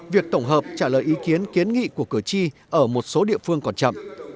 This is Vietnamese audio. việc tổng hợp trả lời ý kiến kiến nghị của cử tri ở một số địa phương còn chậm